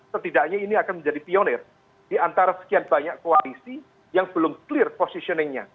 setidaknya ini akan menjadi pionir di antara sekian banyak koalisi yang belum clear positioningnya